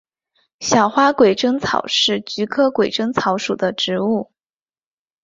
小花鬼针草是菊科鬼针草属的植物。